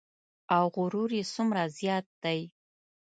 او غرور مې څومره زیات دی.